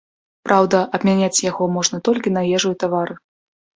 Праўда, абмяняць яго можна толькі на ежу і тавары.